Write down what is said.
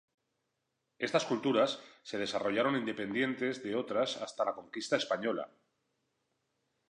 Estas culturas se desarrollaron independientes de otras hasta la conquista española.